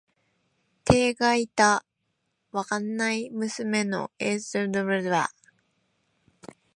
てえがいた、稗史的な娘の絵姿のような感じだった。